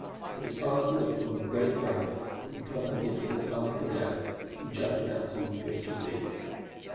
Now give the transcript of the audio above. It was fastened upon great brackets to the perpendicular side of the dam and jutted out some fifty feet.